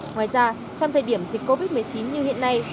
ngoài ra trong thời điểm dịch covid một mươi chín như hiện nay